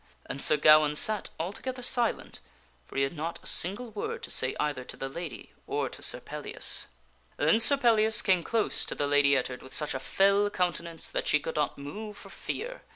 and Sir Gawaine sat altogether silent, for he had not a single word to say either to the lady or to Sir Pellias. Then Sir Pellias came close to the Lady Ettard with such a fell coun tenance that she could not move for fear.